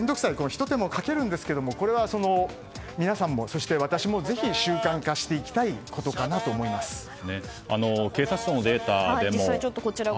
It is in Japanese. ひと手間をかけるんですがこれは、皆さんも、そして私もぜひ習慣化していきたいことと警察庁のデータでも。